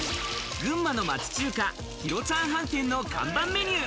群馬の町中華、広ちゃん飯店の看板メニュー。